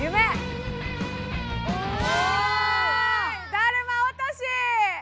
だるま落とし！